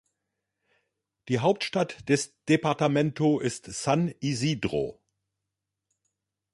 Die Hauptstadt des Departamento ist San Isidro.